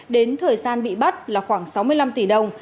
đến thời gian bị bắt là khoảng sáu mươi năm tỷ đồng